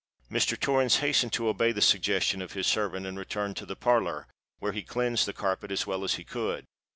Mr. Torrens hastened to obey the suggestion of his servant, and returned to the parlour, where he cleansed the carpet, as well as he could.